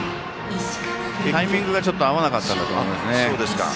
タイミングがちょっと合わなかったんだと思いますね。